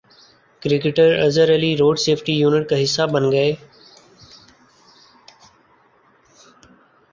cricketer Azhar Ali road safety unit کا حصہ بن گئے